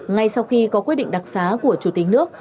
ngay sau khi có quyết định đặc xá của chủ tịch nước